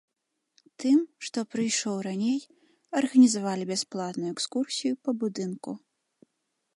Тым, што прыйшоў раней, арганізавалі бясплатную экскурсію па будынку.